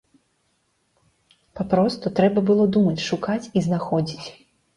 Папросту трэба было думаць, шукаць і знаходзіць!